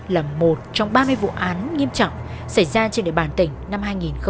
là một trong ba mươi vụ án nghiêm trọng xảy ra trên địa bàn tỉnh năm hai nghìn một mươi tám